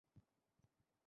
এখন ঝেড়ে কাশো।